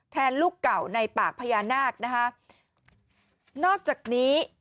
ลูกเก่าในปากพญานาคนะคะนอกจากนี้